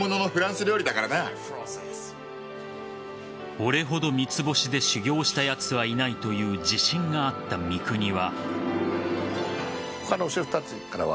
俺ほど三つ星で修業したやつはいないという自信があった三國は。